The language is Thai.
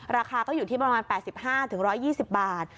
ราคาก็อยู่ที่ประมาณ๘๕๑๒๐บาท